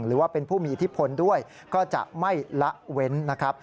หรือว่าเป็นผู้มีอิทธิพลด้วยก็จะไม่ละเว้นนะครับ